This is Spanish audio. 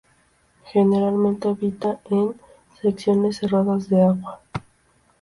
Generalmente habita en secciones cerradas de agua.